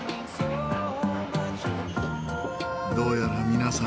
どうやら皆さん